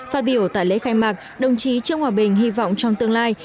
phát biểu tại lễ khai mạc đồng chí trương hòa bình hy vọng trong tương lai